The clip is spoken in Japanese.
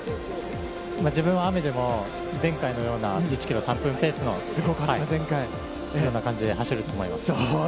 自分は雨でも、前回のような１ｋｍ３分ペースのような感じで走ると思います。